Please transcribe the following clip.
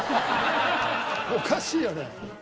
おかしいよね？